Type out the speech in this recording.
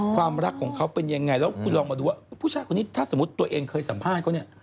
ความรักของเขาเป็นยังไงแล้วคุณลองมาดูว่าผู้ชายคนนี้ถ้าสมมุติตัวเองเคยสัมภาษณ์เขาเนี่ย